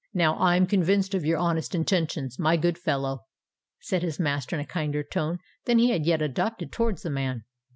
"Now I am convinced of your honest intentions, my good fellow," said his master, in a kinder tone than he had yet adopted towards the man.